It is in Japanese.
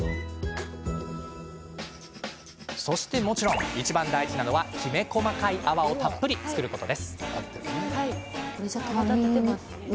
そして、いちばん大事なのがきめ細かい泡をたっぷり作ること。